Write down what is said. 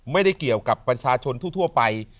ไม่ได้เกี่ยวกับประชาชนทั่วไป